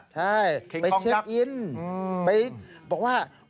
ใช่ไปเช็คอินไปบอกว่า